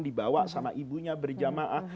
dibawa sama ibunya berjamaah